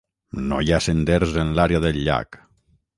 No hi ha senders en l'àrea del llac.